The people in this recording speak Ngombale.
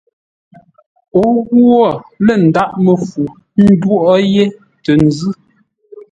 O ghwo lə̂ ndághʼ məfu ńdwóʼó yé tə nzʉ́.